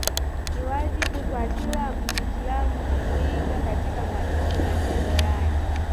Ni wajibu kwa kila Muislamu kumwiga katika matendo yake